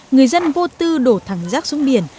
người dân vô tư đổ thẳng rác xuống biển